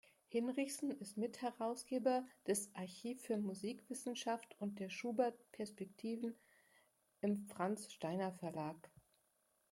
Hinrichsen ist Mitherausgeber des „Archiv für Musikwissenschaft“ und der „Schubert:Perspektiven“ im Franz Steiner Verlag.